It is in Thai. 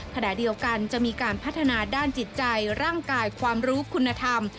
ขณะเดียวกันจะมีการพัฒนาด้านจิตใจร่างกายความรู้คุณธรรม